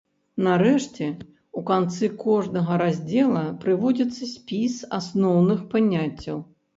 Нарэшце, у канцы кожнага раздзела прыводзіцца спіс асноўных паняццяў.